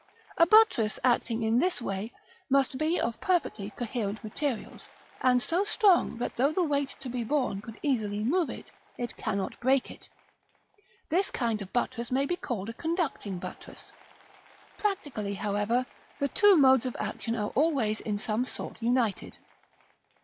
A buttress acting in this way must be of perfectly coherent materials, and so strong that though the weight to be borne could easily move it, it cannot break it: this kind of buttress may be called a conducting buttress. Practically, however, the two modes of action are always in some sort united.